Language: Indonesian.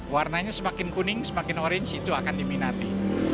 warnanya semakin kuning semakin orange itu akan diminati